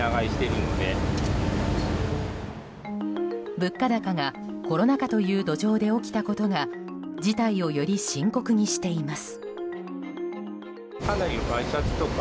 物価高がコロナ禍という土壌で起きたことが事態を、より深刻にしています。